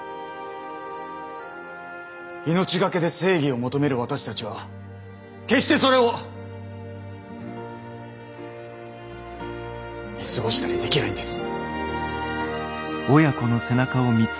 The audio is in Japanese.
命懸けで正義を求める私たちは決してそれを見過ごしたりできないんです。